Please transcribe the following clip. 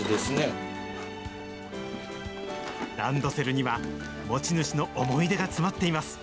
ランドセルには、持ち主の思い出が詰まっています。